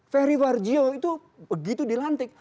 ferry warjio itu begitu dilantik